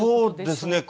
そうですね。